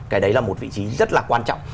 cái đấy là một vị trí rất là quan trọng